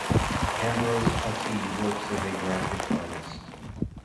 Ambrose Pottie works as a graphic artist.